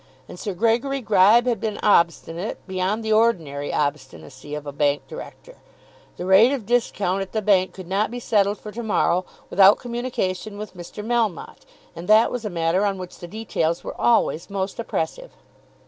And Sir Gregory Gribe had been obstinate, beyond the ordinary obstinacy of a bank director. The rate of discount at the bank could not be settled for to morrow without communication with Mr. Melmotte, and that was a matter on which the details were always most oppressive.